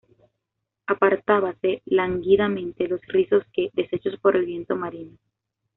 apartábase lánguidamente los rizos que, deshechos por el viento marino